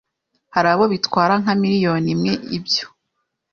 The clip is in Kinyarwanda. hari abo bitwara nka miliyoni imwe ibyo